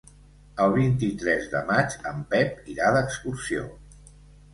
El vint-i-tres de maig en Pep irà d'excursió.